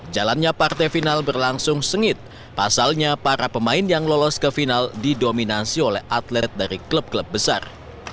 jalannya partai final berlangsung sengit pasalnya para pemain yang lolos ke final didominasi oleh atlet dari klub klub besar